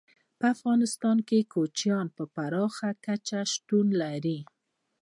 په افغانستان کې کوچیان په پراخه کچه شتون لري.